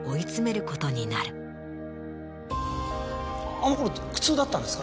あの頃苦痛だったんですか？